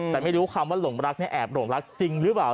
แต่ไม่รู้คำว่าหลงรักเนี่ยแอบหลงรักจริงหรือเปล่า